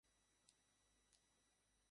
একটা সিগন্যাল পেয়েছি!